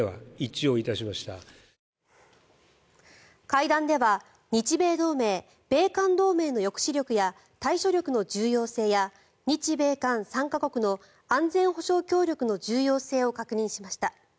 会談では日米同盟、米韓同盟の抑止力や対処力の重要性や日米韓３か国の安全保障協力の重要性を確認しました。